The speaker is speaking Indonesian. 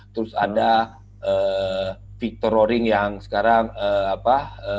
terus ada victor roring yang sekarang apa